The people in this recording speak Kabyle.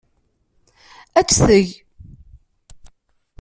Ad t-teg.